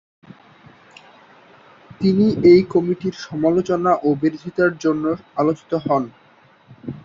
তিনি এই কমিটির সমালোচনা ও বিরোধীতার জন্য আলোচিত হন।